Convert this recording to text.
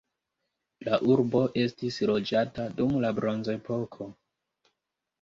La urbo estis loĝata dum la bronzepoko.